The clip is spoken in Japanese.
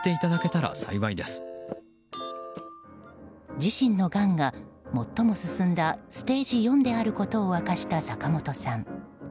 自身のがんが、最も進んだステージ４であることを明かした坂本さん。